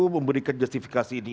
memberikan justifikasi ini itu